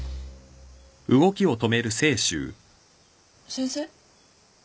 先生？